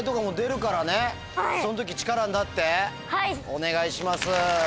お願いします。